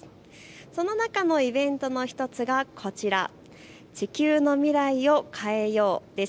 その中のイベントの１つがこちら、地球の未来をかえようです。